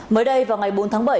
mới đây vào ngày bốn tháng bảy